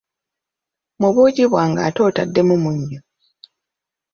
Mu buugi bwange ate otaddemu munnyo!